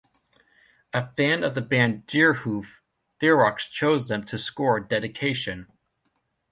A fan of the band Deerhoof, Theroux chose them to score "Dedication".